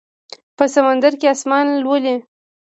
په سمندر کې اسمان لولي